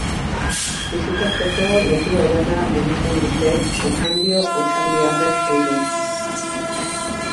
Bisitatzeko leku ederra egiten dute Otxandio otxandiarrek eurek.